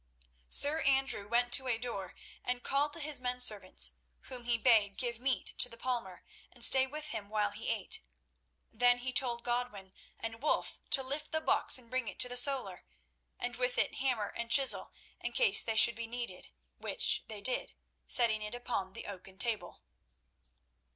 Sir Andrew went to a door, and called to his men servants, whom he bade give meat to the palmer and stay with him while he ate. Then he told Godwin and Wulf to lift the box and bring it to the solar, and with it hammer and chisel, in case they should be needed, which they did, setting it upon the oaken table.